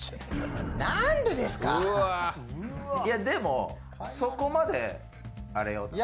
でも、そこまであれよ。